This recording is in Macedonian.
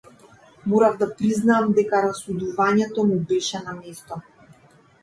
Морав да признаам дека расудувањето му беше на место.